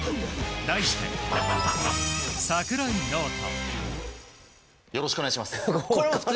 題して、櫻井ノート。